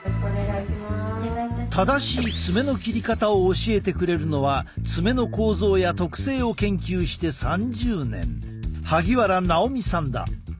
正しい爪の切り方を教えてくれるのは爪の構造や特性を研究して３０年萩原直見さんだ。